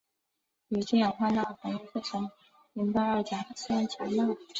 与氢氧化钠反应生成邻苯二甲酸钾钠。